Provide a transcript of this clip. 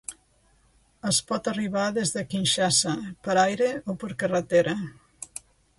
Es pot arribar des de Kinshasa per aire o per carretera.